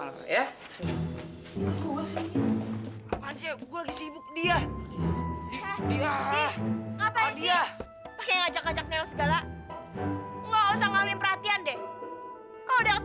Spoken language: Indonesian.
lihat dia udah jadi anak yang baik